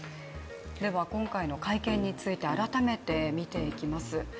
今回の会見について改めてみていきます。